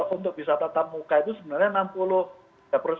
untuk bisa tatap muka itu sebenarnya